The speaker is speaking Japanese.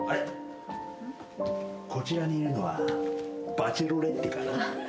こちらにいるのはバチェロレッテかな？